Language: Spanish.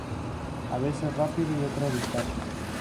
A veces rápido y otras despacio.